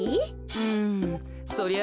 うんそりゃ